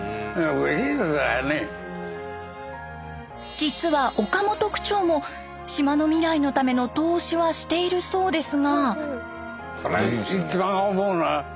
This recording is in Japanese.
実は岡本区長も島の未来のための投資はしているそうですが。